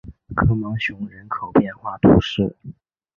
科芒雄人口变化图示